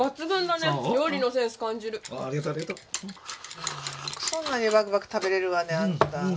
よくそんなにバクバク食べれるわねあんた。